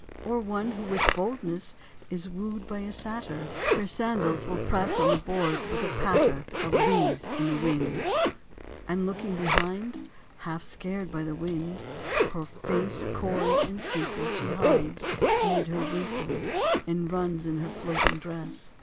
Or one, who with boldness Is wooed by a satyr. Her sandals will press On the boards with the patter Of leaves in the wind ; And looking behind, 68 Half scared by the wind, Her face coy and simple She hides mid her wimple, And runs in her floating dress.